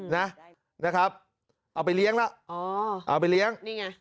นะครับเอาไปเลี้ยงแล้วเอาไปเลี้ยง